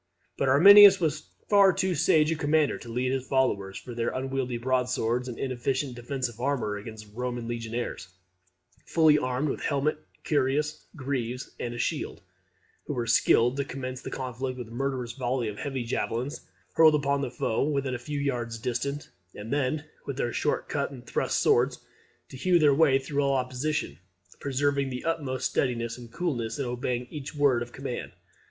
But Arminius was far too sage a commander to lead on his followers, with their unwieldy broadswords and inefficient defensive armour, against the Roman legionaries, fully armed with helmet, cuirass, greaves, and shield; who were skilled to commence the conflict with a murderous volley of heavy javelins, hurled upon the foe when a few yards distant, and then, with their short cut and thrust swords, to hew their way through all opposition; preserving the utmost steadiness and coolness, and obeying each word of command.